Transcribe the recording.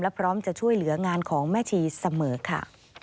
พร้อมจะช่วยเหลืองานของแม่ชีเสมอค่ะ